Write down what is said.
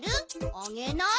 あげない？